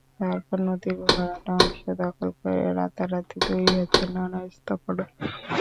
তারপর নদীর ভরাট অংশ দখল করে রাতারাতি তৈরি হচ্ছে নানা স্থাপনা।